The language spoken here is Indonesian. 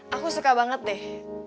aku suka banget deh